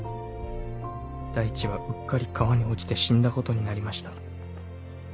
大地はうっかり川に落ちて死んだことになりました。